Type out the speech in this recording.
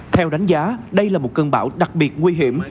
theo đánh giá đây là một cơn bão đặc biệt nguy hiểm